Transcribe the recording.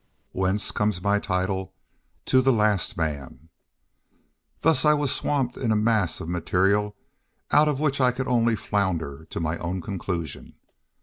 Whence comes my title, TO THE LAST MAN. Thus I was swamped in a mass of material out of which I could only flounder to my own conclusion.